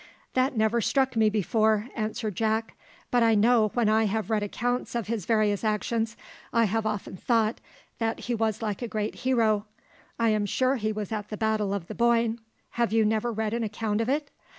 "That never struck me before," answered Jack; "but I know when I have read accounts of his various actions, I have often thought that he was like a great hero: I am sure he was at the battle of the Boyne. Have you never read an account of it?